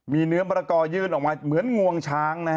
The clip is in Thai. มีเนื้อมรกอยื่นออกมาเหมือนงวงช้างนะฮะ